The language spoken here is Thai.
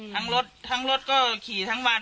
ทั้งรถทั้งรถก็ขี่ทั้งวัน